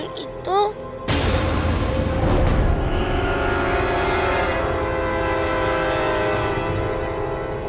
ini pasti timnya tommy kak